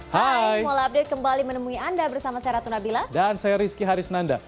hai semoga update kembali menemui anda bersama saya ratu nabila dan saya rizky harisnanda